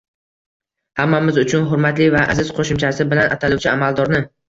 «Hammamiz uchun hurmatli va aziz» qo‘shimchasi bilan ataluvchi amaldorni...